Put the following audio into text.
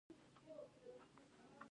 زه د راتلونکي لپاره پلان جوړوم.